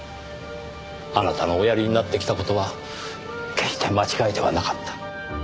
あなたのおやりになってきた事は決して間違いではなかった。